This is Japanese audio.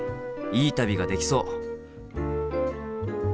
いい旅ができそう。